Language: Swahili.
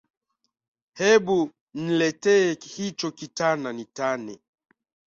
Hebu nletee hicho kitana nitane